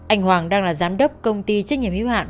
anh hoàng đang là giám đốc công ty trách nhiệm hiếu hạn